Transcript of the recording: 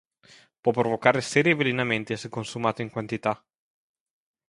Può provocare seri avvelenamenti se consumato in quantità.